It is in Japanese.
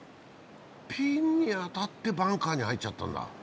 ピンに当たってバンカーに入っちゃったんだ。